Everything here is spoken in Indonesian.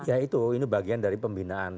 ya itu ini bagian dari pembinaan